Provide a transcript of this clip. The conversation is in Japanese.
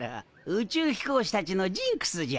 宇宙飛行士たちのジンクスじゃ。